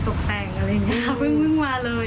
ตกแต่งอะไรอย่างนี้ค่ะเพิ่งมาเลย